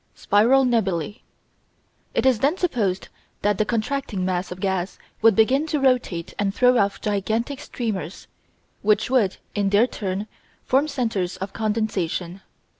Spiral Nebulæ It is then supposed that the contracting mass of gas would begin to rotate and to throw off gigantic streamers, which would in their turn form centres of condensation.